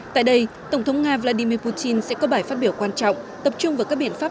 tại đây tổng thống nga vladimir putin sẽ có bài phát biểu quan trọng tập trung vào các biện pháp